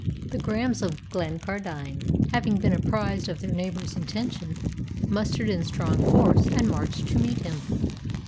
The Grahams of Glencardine, having been apprised of their neighbour's intention, mustered in strong force, and marched to meet him.